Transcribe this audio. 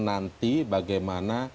kita harus menanti bagaimana